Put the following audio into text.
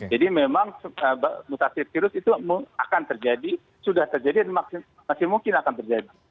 jadi memang mutasi virus itu akan terjadi sudah terjadi dan masih mungkin akan terjadi